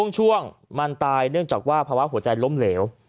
ช่วงมันตายเนื่องจากว่าภาวะหัวใจล้มเหลว